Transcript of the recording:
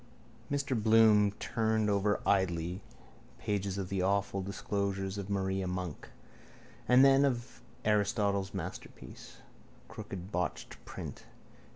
Mr Bloom turned over idly pages of The Awful Disclosures of Maria Monk, then of Aristotle's Masterpiece. Crooked botched print.